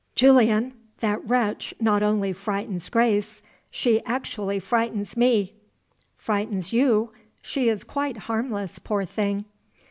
Julian! that wretch not only frightens Grace she actually frightens me." "Frightens you? She is quite harmless, poor thing."